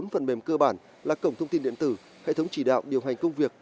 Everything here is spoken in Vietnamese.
bốn phần mềm cơ bản là cổng thông tin điện tử hệ thống chỉ đạo điều hành công việc